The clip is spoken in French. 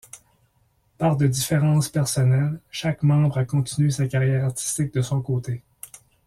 Par des différences personnelles, chaque membre a continué sa carrière artistique de son côté.